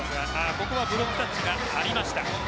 ここはブロックタッチがありました。